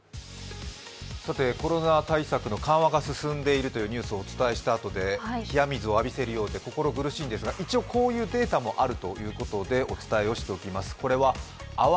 コロナ対策の緩和が進んでいるというニュースをお伝えしたあとで冷や水を浴びせるようで心苦しいんですが一応、こういうデータもあるということでお伝えをしておきます。